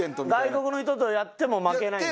外国の人とやっても負けないんだ。